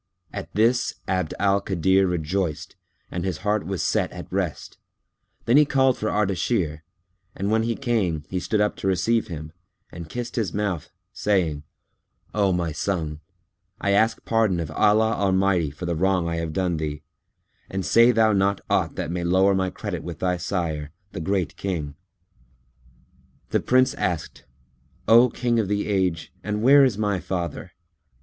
At this Abd al Kadir rejoiced and his heart was set at rest; then he called for Ardashir, and when he came, he stood up to receive him and kissed his mouth, saying, "O my son, I ask pardon of Allah Almighty for the wrong I have done thee, and say thou not aught that may lower my credit with thy sire, the Great King." The Prince asked "O King of the Age, and where is my father?"